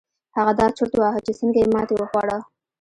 هغه دا چورت واهه چې څنګه يې ماتې وخوړه.